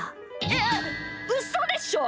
えっうそでしょ！？